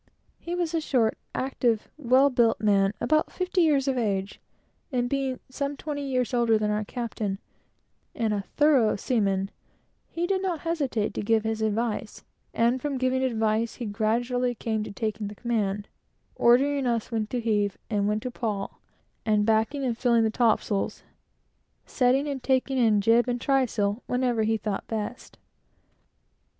He was a short, active, well built man, between fifty and sixty years of age; and being nearly twenty years older than our captain, and a thorough seaman, he did not hesitate to give his advice, and from giving advice, he gradually came to taking the command; ordering us when to heave and when to pawl, and backing and filling the topsails, setting and taking in jib and trysail, whenever he thought best.